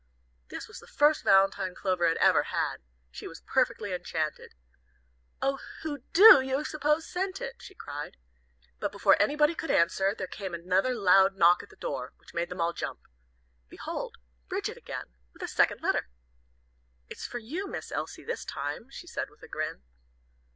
This was the first valentine Clover had ever had. She was perfectly enchanted. "Oh, who do you suppose sent it?" she cried. But before anybody could answer, there came another loud knock at the door, which made them all jump. Behold, Bridget again, with a second letter! "It's for you, Miss Elsie, this time," she said with a grin.